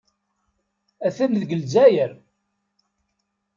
Atan deg Lezzayer.